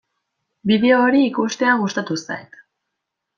Bideo hori ikustea gustatu zait.